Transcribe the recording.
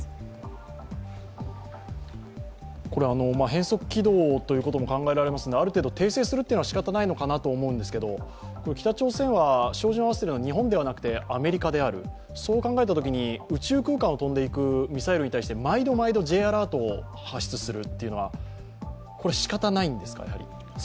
変則軌道ということも考えられますのである程度、訂正するのはしかたないのかなという気がするんですが北朝鮮は、照準を合わせているのは日本ではなくアメリカである、そう考えたときに宇宙空間を飛んでいくミサイルに対して毎度毎度、Ｊアラートを発出するというのは、しかたないんですか？